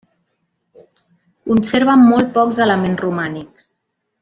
Conserva molt pocs elements romànics.